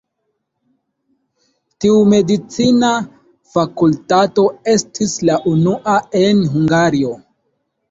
Tiu medicina fakultato estis la unua en Hungario.